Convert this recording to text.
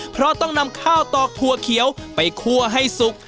เพราะต้องนำข้าวตอกถั่วเขียวไปคั่วให้สุก